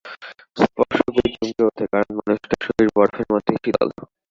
স্পর্শ করেই চমকে ওঠে, কারণ মানুষটার শরীর বরফের মতোই শীতল।